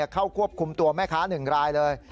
เข้าควบคุมตัวแม่ค้า๑รายเลย